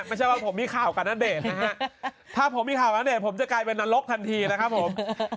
ไม่ใช่ว่าผมมีข่าวกับณเดชน์นะฮะถ้าผมมีข่าวณเดชนผมจะกลายเป็นนรกทันทีนะครับผม